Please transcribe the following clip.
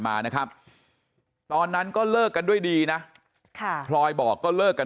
มานะครับตอนนั้นก็เลิกกันด้วยดีนะค่ะพลอยบอกก็เลิกกัน